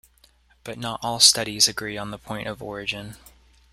But not all studies agree on the point of origin.